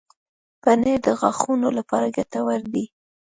پنېر د غاښونو لپاره ګټور دی.